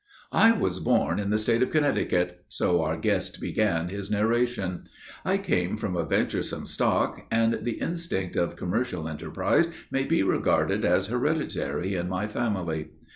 "I was born in the State of Connecticut," so our guest began his narration. "I came from a venturesome stock, and the instinct of commercial enterprise may be regarded as hereditary in my family.